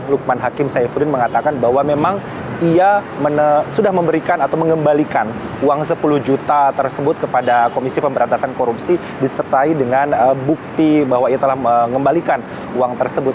lukman hakim saifuddin mengatakan bahwa memang ia sudah memberikan atau mengembalikan uang sepuluh juta tersebut kepada komisi pemberantasan korupsi disertai dengan bukti bahwa ia telah mengembalikan uang tersebut